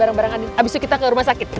abis itu kita ke rumah sakit